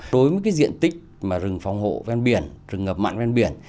đối với cái diện tích mà rừng phòng hộ ven biển rừng ngập mặn ven biển